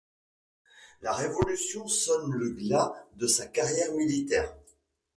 La Révolution sonne le glas de sa carrière militaire.